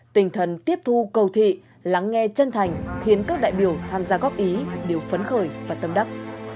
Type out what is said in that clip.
tinh thần tiếp thu cầu thị lắng nghe chân thành khiến các đại biểu tham gia góp ý đều phấn khởi và tâm đắc